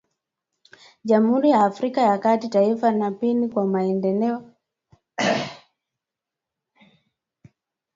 Jamhuri ya Afrika ya kati, taifa la pili kwa maendeleo duni duniani kulingana na umoja wa mataifa